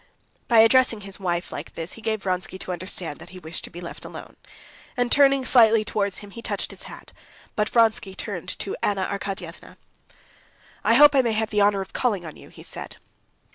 By addressing his wife like this he gave Vronsky to understand that he wished to be left alone, and, turning slightly towards him, he touched his hat; but Vronsky turned to Anna Arkadyevna. "I hope I may have the honor of calling on you," he said.